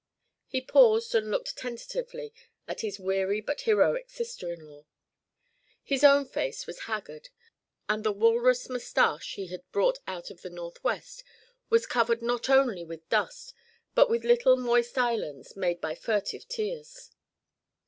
He paused and looked tentatively at his weary but heroic sister in law. His own face was haggard, and the walrus moustache he had brought out of the North west was covered not only with dust but with little moist islands made by furtive tears.